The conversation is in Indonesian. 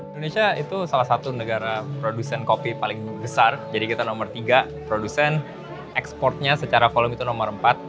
indonesia itu salah satu negara produsen kopi paling besar jadi kita nomor tiga produsen eksportnya secara volume itu nomor empat